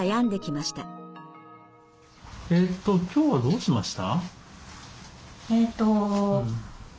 えっと今日はどうしました？